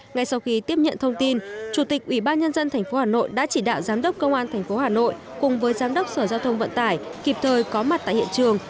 ngay sau khi tiếp nhận thông tin chủ tịch ủy ban nhân dân tp hà nội đã chỉ đạo giám đốc công an tp hà nội cùng với giám đốc sở giao thông vận tải kịp thời có mặt tại hiện trường